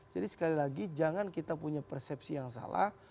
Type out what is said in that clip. jadi sekali lagi jangan kita punya persepsi yang salah